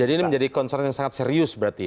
jadi ini menjadi concern yang sangat serius berarti ya